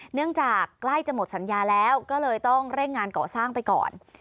เนื่องจากใกล้จะหมดสัญญาแล้วก็เลยต้องเร่งงานก่อสร้างไปก่อน